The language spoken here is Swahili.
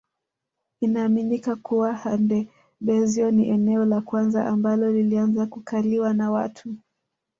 Inaaminika kuwa Handebezyo ni eneo la kwanza ambalo lilianza kukaliwa na watu